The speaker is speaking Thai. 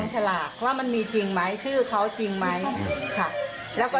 ถ้ามันจริงก็จบเลย